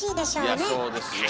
いやそうですねえ。